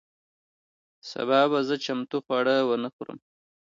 سبا به زه چمتو خواړه ونه خورم.